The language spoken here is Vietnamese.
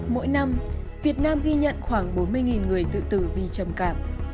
mỗi năm việt nam ghi nhận khoảng bốn mươi người tự tử vì trầm cảm